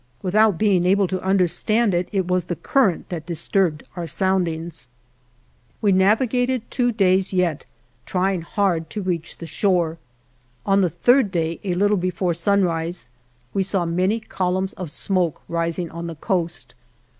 Without being able to understand it, it was the current that disturbed our sound ings. We navigated two days yet, trying 49 THE JOURNEY OF hard to reach the shore. On the third day, a little before sunrise, we saw many col umns of smoke rising on the coast.